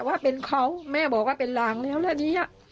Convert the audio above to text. ว่าเป็นเขาแม่บอกว่าเป็นรางแล้วแล้วนี้อ่ะ